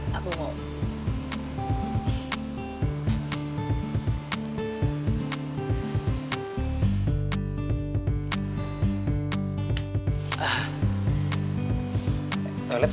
jadi pacar kamu lah